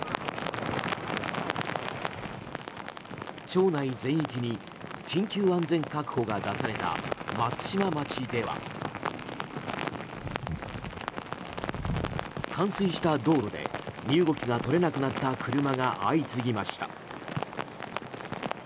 町内全域に緊急安全確保が出された松島町では冠水した道路で身動きが取れなくなった車が相次ぎました。